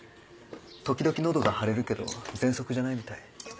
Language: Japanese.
時々喉が腫れるけどぜんそくじゃないみたい。